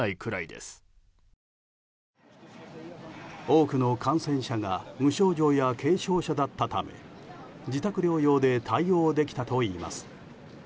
多くの感染者が無症状や軽症者だったため自宅療養で対応できたといいます。